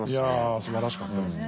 いやすばらしかったです。